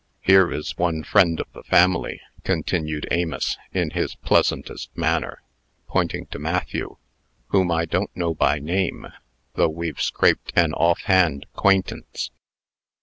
"Here is one friend of the family," continued Amos, in his pleasantest manner, pointing to Matthew, "whom I don't know by name, though we've scraped an off hand 'quaintance."